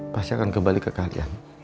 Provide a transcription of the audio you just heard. pasti akan kembali ke kalian